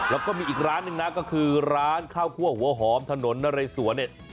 แล้วก็มีอีกร้านหนึ่งนะก็คือร้านข้าวคั่วหัวหอมถนนนะเรสวนเนี่ย